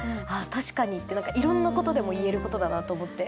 確かにって何かいろんなことでもいえることだなと思って。